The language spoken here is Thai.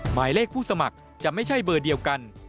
หมายเลขผู้สมัครจะไม่ใช่เบอร์เดียวกัน